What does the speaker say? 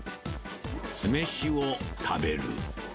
酢飯を食べる。